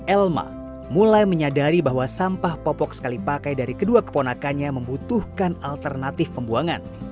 elma mulai menyadari bahwa sampah popok sekali pakai dari kedua keponakannya membutuhkan alternatif pembuangan